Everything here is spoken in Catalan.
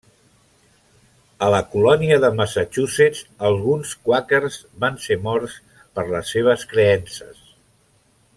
A la colònia de Massachusetts alguns quàquers van ser morts per les seves creences.